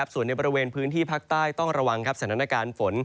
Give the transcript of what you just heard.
ส่วนในบริเวณพื้นที่ภาคใต้ต้องระวังสถานการณ์ฝน